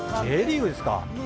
Ｊリーグですか？